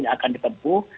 yang akan ditempu